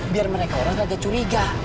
biar mereka orang gak ada curiga